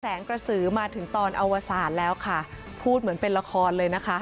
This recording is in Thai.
กระสือมาถึงตอนอวศาสตร์แล้วค่ะพูดเหมือนเป็นละครเลยนะคะ